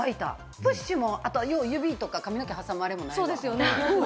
プッシュもあと、よう指とか髪の毛を挟むアレもないわ。